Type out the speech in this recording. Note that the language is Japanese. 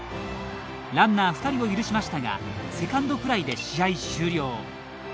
ランナー２人を許しましたがセカンドフライで試合終了。